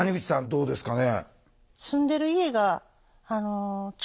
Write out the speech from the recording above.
どうですかね？